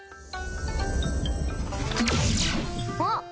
あっ。